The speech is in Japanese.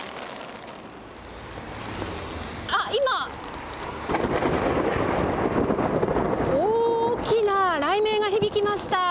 今、大きな雷鳴が響きました。